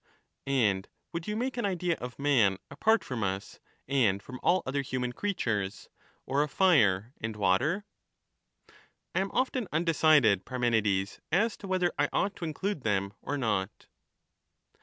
^^^^ And would you make an idea of man apart from us and things, from all other human creatures, or of fire and water ? I am often undecided, Parmenides, as to whether I ought to include them or not.